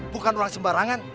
bukan orang sembarangan